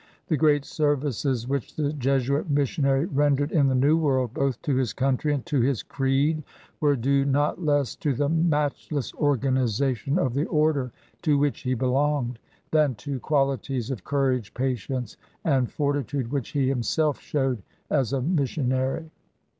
The great services which the Jesuit missionary rendered in the New World, both to his country and to his creed, were due not less to the matchless organi zation of the Order to which he belonged than to qualities of courage, patience, and fortitude which he himself showed as a missionary.